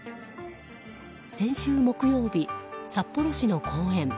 先週木曜日、札幌市の公園。